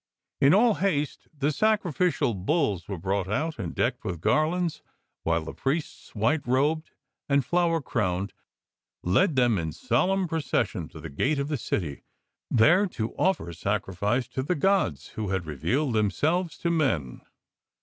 In all haste the sacrificial bulls were brought out and decked with garlands, while the priests, white robed and flower crowned, led them in solemn pro cession to the gate of the city, there to offer sacrifice to the gods who had revealed them selves to men.